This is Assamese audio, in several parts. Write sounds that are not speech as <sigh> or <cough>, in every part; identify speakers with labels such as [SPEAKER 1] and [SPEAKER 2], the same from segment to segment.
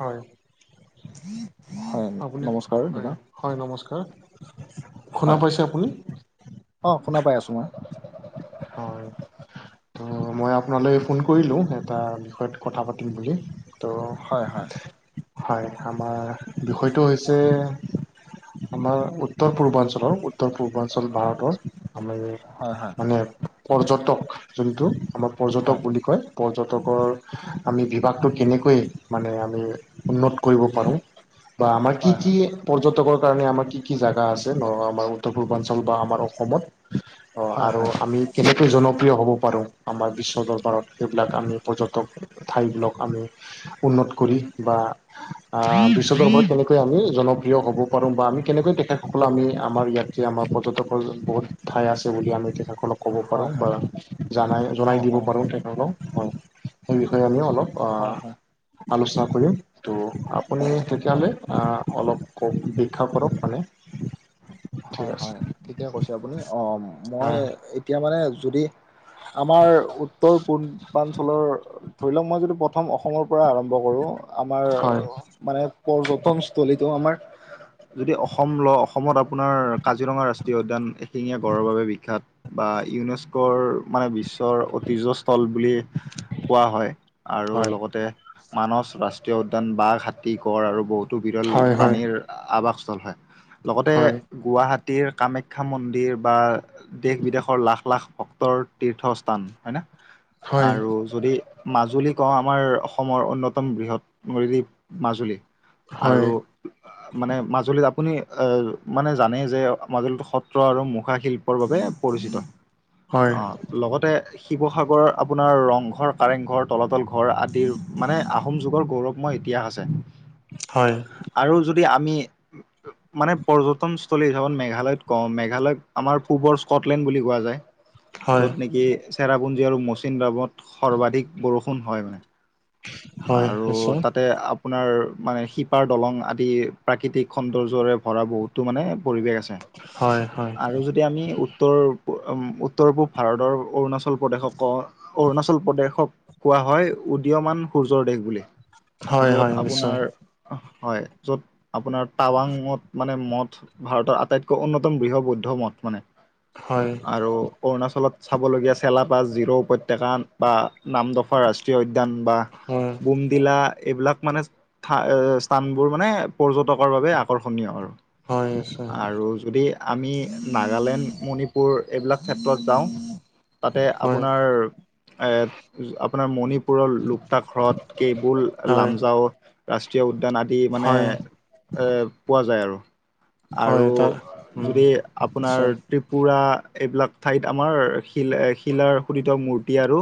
[SPEAKER 1] হয় আপুনি
[SPEAKER 2] নমস্কাৰ
[SPEAKER 1] হয়
[SPEAKER 2] দাদা।
[SPEAKER 1] হয়, নমস্কাৰ। শুনা পাইছে আপুনি?
[SPEAKER 2] অঁ, শুনা পাই আছোঁ মই।
[SPEAKER 1] অঁ' অঁ' মই আপোনালৈ ফোন কৰিলো, এটা বিষয়ত কথা পাতিম বুলি। ত'
[SPEAKER 2] হয় হয়
[SPEAKER 1] হয়, আমাৰ বিষয়টো হৈছে, আমাৰ উত- উত্তৰ পূৰ্বাঞ্চলৰ উত্তৰ পূৰ্বাঞ্চল ভাৰতৰ আমি
[SPEAKER 2] হয় হয়
[SPEAKER 1] মানে- পৰ্যটক যোনটো আমাৰ পৰ্যটক
[SPEAKER 2] হয়
[SPEAKER 1] বুলি কয়, - পৰ্যটকৰ আমি বিভাগটো কেনেকৈ মানে আমি উন্নত কৰিব পাৰোঁ। বা আমাৰ কি
[SPEAKER 2] হয় হয়
[SPEAKER 1] কি পৰ্যটকৰ কাৰণে আমাৰ কি কি জোগা আছে? আমাৰ উত্তৰ পূৰ্বাঞ্চল বা আমাৰ অসমত। অ
[SPEAKER 2] হয়
[SPEAKER 1] আৰু
[SPEAKER 2] হয়
[SPEAKER 1] আমি- কেনেকৈ জনপ্ৰিয় হ'ব পাৰোঁ? আমাৰ বিশ্ব দৰবাৰত, সেইবিলাক আমি পৰ্যটক- ঠাই বিলাক আমি উন্নত কৰি বা আহ বিশ্ব দৰবাৰত কেনেকৈ- কৈ আমি জনপ্ৰিয় হ'ব পাৰোঁ বা আমি কেনেকৈ তেখেতসকলক আমি আমাৰ ইয়াত যে আমাৰ পৰ্যটকৰ বহুত- ঠাই আছে বুলি আমি তেখেতসকলক- ক'ব পাৰোঁ
[SPEAKER 2] হয় হয়
[SPEAKER 1] বা জানাই
[SPEAKER 2] অ
[SPEAKER 1] জনাই দিব
[SPEAKER 2] অ
[SPEAKER 1] পাৰোঁ তেখেতসকলক হয়, সেই বিষয়ে আমি অলপ-
[SPEAKER 2] হয় হয়
[SPEAKER 1] অঁ আলোচনা কৰিম ত' আপুনি
[SPEAKER 2] হয়
[SPEAKER 1] তেতিয়াহ'লে অলপ- ক অপেক্ষা কৰক মানে। ঠিক
[SPEAKER 2] হয় হয়, ঠিকেই কৈছে আপুনি। অঁ' মই
[SPEAKER 1] আছে
[SPEAKER 2] এতিয়া মানে যদি- আমাৰ উত্তৰ পূৰ্বাঞ্চলৰ ধৰি লওক মই যদি- প্ৰথম অসমৰ পৰাই আৰম্ভ কৰোঁ আমাৰ-
[SPEAKER 1] হয়
[SPEAKER 2] মানে পৰ্যটনস্থলীতো আমাৰ যদি অসম ল অসমত আপ- আপোনাৰ কাজিৰঙা ৰাষ্ট্ৰীয় উদ্যান এশিঙীয়া গড়ৰ বাবে বিখ্যাত। বা ইউনেস্কোৰ বা মানে বিশ্বৰ ঐতিহ্য- <unintelligible> বুলি কোৱা হয়। আৰু
[SPEAKER 1] হয় হয়
[SPEAKER 2] লগতে, মানস ৰাষ্ট্ৰীয় উদ্যান, বাঘ, হাতী, গঁড় আৰু বহুতো বিৰল
[SPEAKER 1] হয় হয়
[SPEAKER 2] প্ৰাণীৰ আৱাস স্থল হয়। লগতে,
[SPEAKER 1] হয়
[SPEAKER 2] গুৱাহাটীৰ কামাখ্যা মন্দিৰ বা দেশ-বিদেশৰ লাখ-লাখ ভক্তৰ তীৰ্থস্থান। হয় না?
[SPEAKER 1] হয়
[SPEAKER 2] আৰু যদি মাজুলী কওঁ! আমাৰ অসমৰ অন্যতম, বৃহৎ নদী দ্বীপ মাজুলী।
[SPEAKER 1] হয়
[SPEAKER 2] আৰু মানে, মাজুলীত আপুনি, এ, মানে, জানেই যে, মাজুলীতো সত্ৰ আৰু মুখা শিল্পৰ বাবে পৰিচিত।
[SPEAKER 1] হয়
[SPEAKER 2] লগতে শিৱসাগৰ, আপোনাৰ ৰংঘৰ, কাৰেংঘৰ, তলাতল ঘৰ আদিৰ মানে, আহোম যুগৰ গৌৰৱ। অসমৰ ইতিহাস আছে।
[SPEAKER 1] হয়!
[SPEAKER 2] আৰু যদি, আমি মানে, পৰ্যটনস্থলী <unintelligible> মেঘালয়ত কওঁ, মেঘালয়ক আমাৰ পূৱৰ স্কটলেণ্ড বুলি কোৱা যায়।
[SPEAKER 1] হয়
[SPEAKER 2] য'ত নেকি, চেৰাপুঞ্জী আৰু মৌচিনৰামত সৰ্বাধিক বৰষুণ হয়, মানে।
[SPEAKER 1] হয় হয়
[SPEAKER 2] আৰু
[SPEAKER 1] নিশ্চয়
[SPEAKER 2] তাতে, আপোনাৰ মানে, শিপাৰ দলং আদি, প্ৰাকৃতিক সৌন্দৰ্যৰে ভৰা বহুতো মানে, পৰিৱেশ আছে।
[SPEAKER 1] হয়, হয়!
[SPEAKER 2] এতিয়া আমি, উত্তৰ, উত্তৰ-পূব ভাৰতৰ অৰুণাচল অৰুণাচল প্ৰদেশক কওঁ। অৰুণাচল প্ৰদেশক কোৱা হয়, উদীয়মান সূৰ্যৰ দেশ বুলি।
[SPEAKER 1] হয়
[SPEAKER 2] য'ত
[SPEAKER 1] হয় নিশ্চয়
[SPEAKER 2] আপোনাৰ, হয়! য'ত, আপোনাৰ টাৱাঙত মঠ, মানে ভাৰতৰ আটাইতকৈ অন্যতম বৃহৎ বৌদ্ধ মঠ মানে।
[SPEAKER 1] হয়
[SPEAKER 2] আৰু অৰুণাচলত চাবলগীয়া, চেলাাপা জিৰ' উপত্যকা বা নামদফা ৰাষ্ট্ৰীয় উদ্যান বা
[SPEAKER 1] হয়
[SPEAKER 2] <unintelligible> তিলা, এইবিলাক মানে, স্থানবোৰ মানে, পৰ্যটকৰ বাবে আকৰ্ষণীয় আৰু।
[SPEAKER 1] হয় নিশ্চয়
[SPEAKER 2] আৰু যদি, আমি নাগালেণ্ড, মণিপুৰ এইবিলাক ক্ষেত্ৰত যাওঁ, তাতে
[SPEAKER 1] হয়
[SPEAKER 2] আপোনাৰ এ, আপোনাৰ মণিপুৰৰ, লোকটাক হ্ৰদ, কেইবুল,
[SPEAKER 1] হয়
[SPEAKER 2] লামজাও। ৰাষ্ট্ৰীয় উদ্যান আদি মানে,
[SPEAKER 1] হয়
[SPEAKER 2] এ, পোৱা যায় আৰু।
[SPEAKER 1] হয়
[SPEAKER 2] আৰু
[SPEAKER 1] তাৰ উম
[SPEAKER 2] যদি, আপোনাৰ
[SPEAKER 1] নিশ্চয়
[SPEAKER 2] ত্ৰিপুৰা, এইবিলাক ঠাইত আমাৰ, শিল শিলাৰ খোদিত মূৰ্তি আৰু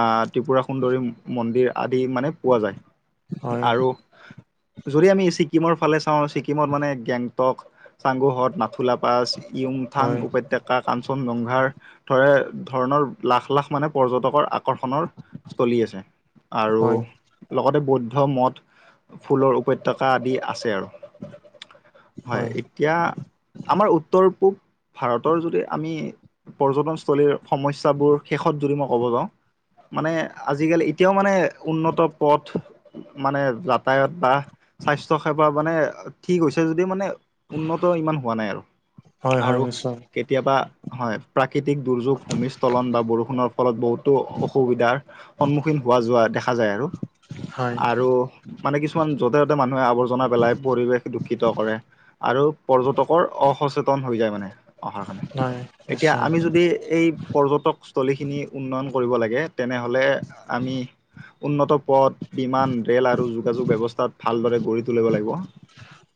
[SPEAKER 2] আঁ ত্ৰিপুৰা সুন্দৰী মন্দিৰ আদি মানে, পোৱা যায়।
[SPEAKER 1] হয়
[SPEAKER 2] আৰু যদি, আমি ছিক্কিমৰ ফালে চাওঁ! ছিকিমত মানে, <unintelligible> চাংগোহত নাথু লা পাছ ইয়োং থাং
[SPEAKER 1] হয়
[SPEAKER 2] উপত্যকা। কা কাঞ্চন জংঘাৰ ধৰে ধৰণৰ, লাখ-লাখ মানে, পৰ্যটকৰ আকৰ্ষণৰ চলি আছে। আৰু
[SPEAKER 1] হয়
[SPEAKER 2] লগতে, বৌদ্ধ মঠ, ফুলৰ উপত্যকা আদি আছে আৰু। হয়! এ এতিয়া, আমাৰ উত্তৰ-পূব ভাৰতৰ যদি, আমি পৰ্যটনস্থলীৰ সমস্যাবোৰ, শেষত যদি মই ক'ব যাওঁ! মানে, আজিকালি, এতিয়াও মানে, উন্নত পথ মানে, যাতায়ত বা স্বাস্থ্য সেৱা মানে, ঠিক হৈছে যদিও মানে, উন্নত ইমান হোৱা নাই আৰু।
[SPEAKER 1] হয়, হয়,
[SPEAKER 2] আৰু
[SPEAKER 1] নিশ্চয়!
[SPEAKER 2] কেতিয়াবা হয়! প্ৰাকৃতিক দুৰ্যোগ, ভূমিস্খলন বা বৰষুণৰ ফলত বহুতো অসুবিধাৰ সন্মুখীন হোৱা-যোৱা দেখা যায় আৰু।
[SPEAKER 1] হয়
[SPEAKER 2] আৰু মানে কিছুমান যতে ত'তে মানুহে আৱৰ্জনা পেলাই পৰিৱেশ দুখ শিক্ষিত কৰে আৰু পৰ্যটকৰ অসচেতন হৈ যায় মানে অহাৰ কাৰণে।
[SPEAKER 1] হয়
[SPEAKER 2] এতিয়া
[SPEAKER 1] নিশ্চয়
[SPEAKER 2] আমি যদি এই পৰ্যটকস্থলীখিনি উন্নয়ন কৰিব লাগে তেনেহ'লে আমি। উন্নত পথ, বিমান, ৰে'ল আৰু যোগাযোগ ব্যৱস্থাত ভালদৰে গঢ়ি তুলিব লাগিব।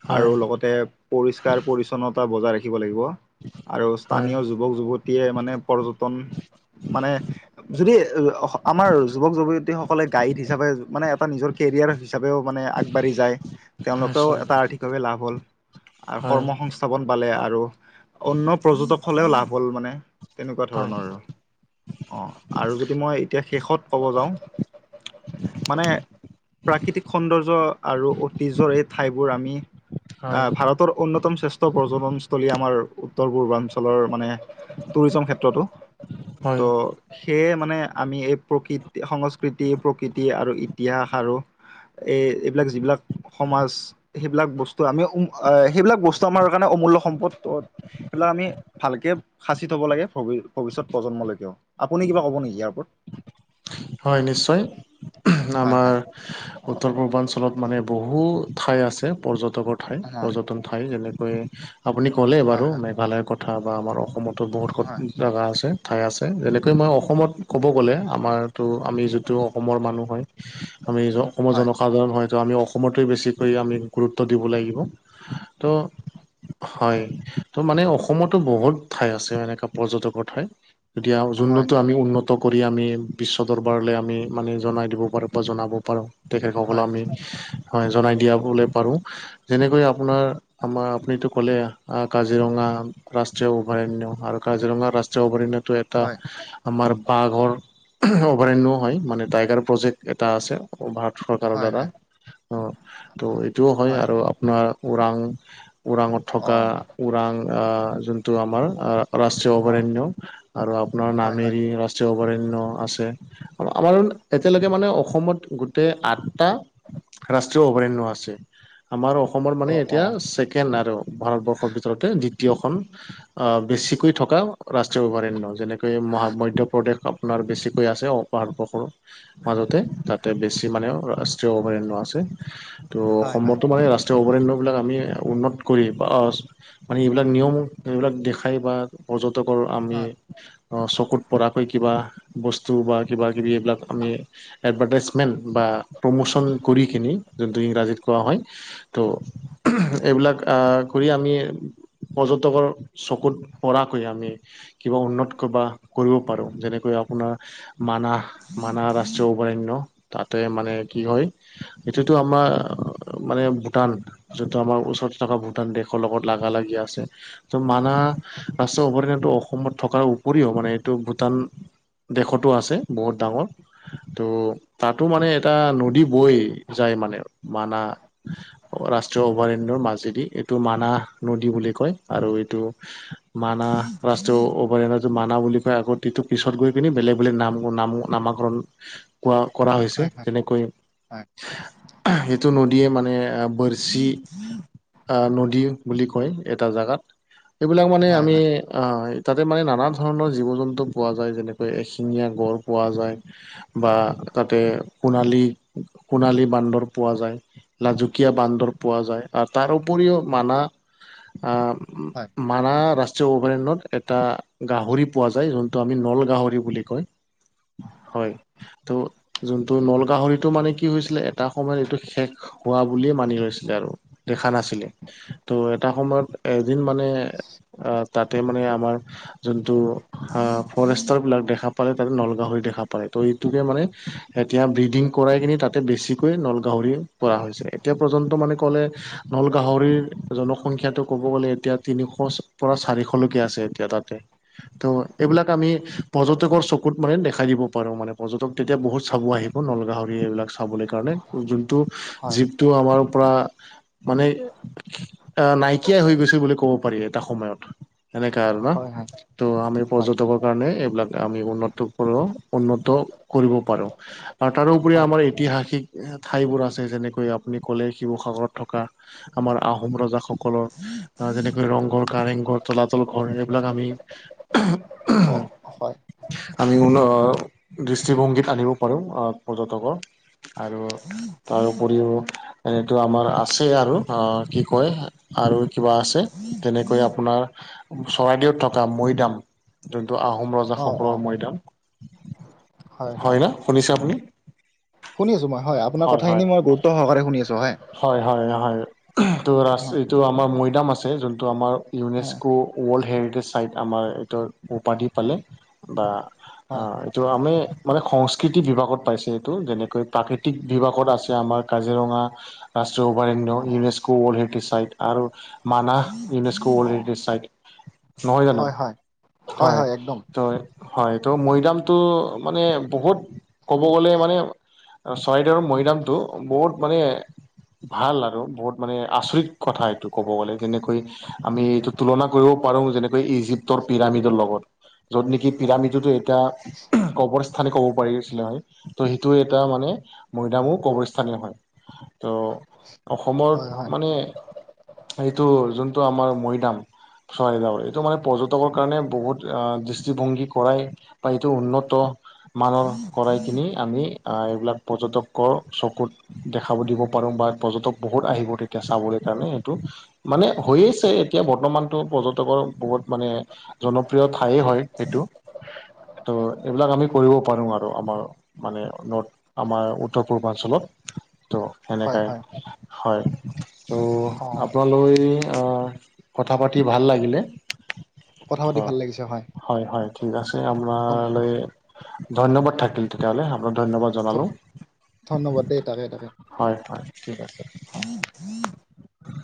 [SPEAKER 1] হয়
[SPEAKER 2] আৰু লগতে পৰিষ্কাৰ পৰিচ্ছন্নতা বজাই ৰাখিব লাগিব। আৰু
[SPEAKER 1] হয়
[SPEAKER 2] স্থানীয় যুৱক - যুৱতীয়ে মানে পৰ্যটন মানে যদি আমাৰ যুৱক - যুৱতীসকলে গাইড হিচাপে মানে এটা নিজৰ কেৰিয়াৰ হিচাপেও মানে আগবাঢ়ি যায় তেওঁলোকেও
[SPEAKER 1] নিশ্চয়
[SPEAKER 2] এটা আৰ্থিক লাভ হল আৰু
[SPEAKER 1] হয়
[SPEAKER 2] কৰ্মসংস্থাপন। স্থাপন পালে আৰু অন্য পৰ্যটক হ'লেও লাভ হ'ল মানে তেনেকুৱা
[SPEAKER 1] হয়
[SPEAKER 2] ধৰণৰ আৰু। অঁ আৰু যদি মই এতিয়া শেষত ক'ব যাওঁ মানে প্ৰাকৃতিক সৌন্দৰ্য আৰু ঐতিহ্যৰ এই ঠাইবোৰ আমি
[SPEAKER 1] হয়
[SPEAKER 2] ভাৰতৰ অন্যতম শ্ৰেষ্ঠ পৰ্যটনস্থলী আমাৰ উত্তৰ পূৰ্বাঞ্চলৰ মানে টুৰিজম ক্ষেত্ৰতো
[SPEAKER 1] হয়
[SPEAKER 2] ত' সেয়ে মানে আমি এই প্ৰকৃতি সংস্কৃতি প্ৰকৃতি আৰু ইতিহাস আৰু এই এইবিলাক যিবিলাক সমাজ সেইবিলাক বস্তু ত' আমি উম সেইবিলাক বস্তু আমাৰ কাৰণে অমূল্য় সম্পদ সেইবিলাক আমি ভালকে। সাঁচি থ'ব লাগে ভবি ভৱিষ্যতপ্ৰজন্মলৈকেও, আপুনি কিবা ক'ব নেকি ইয়াৰ ওপৰত?
[SPEAKER 1] হয় নিশ্চয়,
[SPEAKER 2] হয়
[SPEAKER 1] আমাৰ
[SPEAKER 2] হয়
[SPEAKER 1] উত্তৰ পূৰ্বাঞ্চল অলপ মানে বহু ঠাই আছে পৰ্যটকৰ ঠাই
[SPEAKER 2] হয়
[SPEAKER 1] পৰ্যটক এনেকৈ আপুনি ক'লে
[SPEAKER 2] হয়
[SPEAKER 1] বাৰু মেঘালয়ৰ কথা বা আমাৰ অসমতো
[SPEAKER 2] হয়
[SPEAKER 1] বহুত জেগা আছে, ঠাই আছে যেনেকৈ মই অসমত ক'ব গ'লে আমাৰ ত' আমি যিটো অসমৰ মানুহ হয় আমি অসমৰ
[SPEAKER 2] হয়
[SPEAKER 1] জনসাধাৰণৰ সাধাৰণ হয়তো আমি অসমতে বেছিকৈ আমি গুৰুত্ব দিব লাগিব, ত' হয় ত' মানে অসমতো বহুত ঠাই আছে এনেকুৱা পৰ্যটকৰ ঠাই। এতিয়া উজনি টো আমি উন্নত কৰি আমি বিশ্ব দৰবাৰলৈ আমি মানে জনাই দিব পাৰোঁ বা জনাব পাৰোঁ তেখেতসকলক
[SPEAKER 2] হয়
[SPEAKER 1] আমি হয় জনাই দিয়াবলে পাৰো, যেনেকৈ আপোনাৰ আমাৰ আপনিতো ক'লে কাজিৰঙা ৰাষ্ট্ৰীয় অভয়াৰণ্য আৰু কাজিৰঙা ৰাষ্ট্ৰীয় অভয়াৰণ্যটো এক এটা,
[SPEAKER 2] হয়
[SPEAKER 1] আমাৰ বাঘৰ অভয়াৰণ্যও হয়, মানে টাইগাৰ প্ৰজেক্ট এটা আছে, ভাৰত চৰকাৰৰ
[SPEAKER 2] হয়
[SPEAKER 1] দ্বাৰা।
[SPEAKER 2] হয়
[SPEAKER 1] অ' ত' এইটোও হয় আৰু আপোনাৰ ওৰাং ওৰাঙত
[SPEAKER 2] অ
[SPEAKER 1] থকা ওৰাং আহ যোনটো আমাৰ ৰাষ্ট্ৰীয়
[SPEAKER 2] অ
[SPEAKER 1] অভয়াৰণ্য আৰু আপোনাৰ
[SPEAKER 2] হয় হয়
[SPEAKER 1] নামেৰি ৰাষ্ট্ৰীয় ৰাষ্ট্ৰীয় অভয়াৰণ্য আছে, আমাৰ এতিয়ালৈকে মানে অসমত গোটেই আঠটা ৰাষ্ট্ৰীয় অভয়াৰণ্য আছে, আমাৰ অসমৰ মানে
[SPEAKER 2] অ অ
[SPEAKER 1] এতিয়া ছেকেণ্ড আৰু। ভাৰতবৰ্ষৰ ভিতৰতে দ্বিতীয়খন। আহ বেছিকৈ থকা ৰাষ্ট্ৰীয় অভয়াৰণ্য যেনেকৈ মহা মধ্যপ্ৰদেশ আপোনাৰ বেছিক হৈ আছে অ পাহাৰ পখুৰ মাজতে যাতে বেছি মানে <unintelligible> ৰাষ্টীয় অভয়াৰণ্য আছে ত'
[SPEAKER 2] হয় হয়
[SPEAKER 1] অসমতো মানে ৰাষ অভয়াৰণ্যবিলাক আমি উন্নত কৰি বা মানে এইবিলাক নিয়ম এইবিলাক দেখাই বা পৰ্যটকৰ আমি
[SPEAKER 2] হয়
[SPEAKER 1] চকুত পৰাকৈ কিবা বস্তু বা কিবাকিবি, এইবিলাক আমি এডভাৰ্টাইজমেণ্ট বা প্ৰমোচন কৰি কিনি যোনটো ইংৰাজীত কোৱা হয়। ত' এইবিলাক আহ কৰি আমি পৰ্যটকৰ চকুত পৰাকৈ আমি কিবা উন্নত কৰবা কৰিব পাৰো যেনেকৈ আপোনাৰ মানাহ মানাহ ৰাষ্ট্ৰীয় অভয়াৰণ্য তাতে মানে কি হয় এইটো আমাৰ মানে ভূটান যোনটো আমাৰ ওচৰতে থকা ভূটান দেশৰ লগত লগালাগি আছে ত মানাহ ৰাষ্ট্ৰ অভয়াৰণ্যটো অসমত থকাৰ উপৰিও মানে এইটো ভূটান দেশতো আছে বহুত ডাঙৰ ত' তাতো মানে এটা নদী বৈ যায় মানে মানাহ ৰাষ্ট্ৰীয় অভয়াৰণ্যৰ মাজেদি এইটো মানাহ নদী বুলি কয় আৰু এইটো মানাহ ৰাষ্ট্ৰীয় অভয়াৰণ্যটো মানাহ বুলি কয় আগতেটো পিছত গৈ পেনি বেলেগ বেলেগ নাম নামাকৰন। কোৱা কৰা হৈছে
[SPEAKER 2] হয় হয়
[SPEAKER 1] যেনেকৈ এইটো নদীয়ে মানে বৰছি আহ নদী বুলি কয় এটা জাগাত এইবিলাক মানে
[SPEAKER 2] হয় হয় হয়
[SPEAKER 1] আমি
[SPEAKER 2] হয়
[SPEAKER 1] আহ তাতে মানে নানা ধৰণৰ জীৱ জন্তু পোৱা যায় যেনে। এশিঙীয়া গড় পোৱা যায়। বা তাতে সোণালী সোণালী বান্দৰ পোৱা যায়। লাজুকীয়া বান্দৰ পোৱা যায় আৰু তাৰ উপৰিও মানাহ আহ মানাহ জ অভয়াৰণ্যত এটা গাহৰি পোৱা যায় যোনটো আমি নলগাহৰি বুলি কয় হয় ত' যোনটো নল গাহৰিটো মানে কি হৈছিলে এটা সময়ত এইটো শেষ হোৱা বুলিয়ে মানি লৈছিলে আৰু দেখা নাছিলে ত' এটা সময়ত এদিন মানে আহ তাতে মানে আমাৰ যোনটো হা ফৰেষ্ট বিলাক দেখা পালে তাৰ পিছত নলগাহৰি দেখা পালে ত' এইটোকে মানে এতিয়া ব্ৰিডিং কৰাই কিনে তাতে বেছিকৈ নলগাহৰি কৰা হৈছে এতিয়া পৰ্যন্ত মানে ক'লে নলগাহৰিৰ জনসংখ্যাটো ক'ব গ'লে এতিয়া তিনিশ পৰা চাৰিশলৈকে আছে এতিয়া তাতে ত' এইবিলাক আমি পৰ্যটকৰ চকুত মানে দেখাই দিব পাৰোঁ মানে পৰ্যটক তেতিয়া বহুত চাব আহিব নলগাহৰি এইবিলাক চাবলৈ কাৰণে। যোনটো
[SPEAKER 2] হয়
[SPEAKER 1] জীবটো আমাৰ পৰা মানে আহ নাইকিয়াই হৈ গৈছে বুলি ক'ব পাৰি এটা সময়ত সেনেকা আৰু না
[SPEAKER 2] হয় হয় হয়
[SPEAKER 1] ত' আমি পৰ্যটকৰ কাৰণে এইবিলাক আমি উন্নত কৰ উন্নত কৰিব পাৰোঁ। আৰু তাৰোপৰি
[SPEAKER 2] হয়
[SPEAKER 1] আমাৰ ঐতিহাসিক ঠাইবোৰ আছে যেনেকৈ আপুনি ক'লে শিৱসাগৰত থকা আমাৰ আহোম ৰজাসকলৰ আহ যেনেকৈ ৰংঘৰ কাৰেংঘৰ তলাতল ঘৰ এইবিলাক আমি
[SPEAKER 2] <inaudible> অহ
[SPEAKER 1] আমিবোৰে দৃষ্টিভংগীত আনিব পাৰো আহ পৰ্যটকৰ আৰু তাৰ উপৰিও এইটো আমাৰ আছে আৰু অ কি কয় আৰু কিবা আছে তেনেকৈ আপোনাৰ চৰাইদেউত থকা মৈদাম যোনটো আহোম ৰজা
[SPEAKER 2] অ অ
[SPEAKER 1] সকলৰ মৈদাম হয় না শুনিছে
[SPEAKER 2] অ
[SPEAKER 1] আপুনি
[SPEAKER 2] শুনি আছো মই হয় আপোনাৰ কথাখিন মই গুৰুত্ব সহকাৰে শুনি আছো হয়
[SPEAKER 1] হয় হয় হয়। এহ ত ৰা এইটো আমাৰ মৈদাম আছে যোনটো আমাৰ
[SPEAKER 2] হয়
[SPEAKER 1] ইউনেস্কো ৱৰ্ল্ড হেৰিটেজ চাইট আমাৰ ধৰ উপাধি পালে বা অ
[SPEAKER 2] হয়
[SPEAKER 1] এইটো আমি মানে সংস্কৃতি বিভাগত পাইছে এইটো যেনেকৈ প্ৰাকৃতিক বিভাগত আছে আমাৰ কাজিৰঙা ৰাষ্ট্ৰীয় অভয়াৰণ্য ইউনেচকো' ৱৰ্ল্ড হেৰিটেজ ছাইট আৰু মানাহ, ইউনেছক' ৱৰ্ল্ডহেৰিটেজ চাইড। নহয় জানো?
[SPEAKER 2] হয় হয় হয়
[SPEAKER 1] হয়, তই হয়, ত' মৈদামটো মানে বহুত ক'ব গ'লে মানে চৰাইদউৰ মৈদামটো বহুত মানে ভাল আৰু বহুত মানে আচৰিত কথা এইটো ক'ব গ'লে কেনেকৈ আমি এইটো তুলনা কৰিব পাৰো যেনেকৈ ইজিপ্তৰ পিৰামিডৰ লগত। য'ত নেকি পিৰামিডোতো এতিয়া কবৰ স্থানে ক'ব পাৰি আছিলে হয়। ত' সেইটো এটা মানে মৈদামো কবৰস্থানে হয়। অ', অসমত
[SPEAKER 2] হয় হয়
[SPEAKER 1] মানে এইটো যোনটো আমাৰ মৈদাম চৰাইদাৱ, এইটো মানে পৰ্যটকৰ কাৰণে বহুত আ, দৃষ্টিভংগী কৰাই বা এইটো উন্নত <unintelligible> কৰাই কিনি আমি আ, এইবিলাক পৰ্যটকৰ চকুত দেখাব দিব পাৰম বা পৰ্যটক বহুত আহিব তেতিয়া চাবলৈ কাৰণে সেইটো মানে হৈছে এতিয়া বৰ্তমানতো পৰ্যটকৰ বহুত মানে জনপ্ৰিয় ঠাই হয়, এইটো, ত' এইবিলাক আমি কৰিব পাৰো আৰু আমাৰ মানে নৰ্থ আমাৰ উত্তৰ পূৰ্বাঞ্চলত ত'
[SPEAKER 2] হয়
[SPEAKER 1] সেনেকাই
[SPEAKER 2] হয়
[SPEAKER 1] হয় ত'
[SPEAKER 2] অ
[SPEAKER 1] আপোনালৈ আ, কথা পাতি ভাল লাগিলে।
[SPEAKER 2] কথাপাতি
[SPEAKER 1] হয়
[SPEAKER 2] ভাল লাগিছে হয়।
[SPEAKER 1] হয় - হয়, ঠিক আছে,
[SPEAKER 2] ধন-
[SPEAKER 1] আপোনালৈ ধন্যবাদ থাকিল তেতিয়াহ'লে আপোনাক ধন্যবাদ জনালো
[SPEAKER 2] ধন্যবাদ দেই, তাকেই তাকেই।
[SPEAKER 1] হয় - হয়, ঠিক আছে